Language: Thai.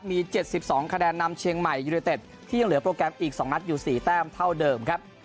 มี๗๒คะแนนนำเชียงใหม่ยูเนเต็ดที่ยังเหลือโปรแกรมอีก๒นัดอยู่๔แต้มเท่าเดิมครับ